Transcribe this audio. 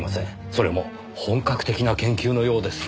それも本格的な研究のようです。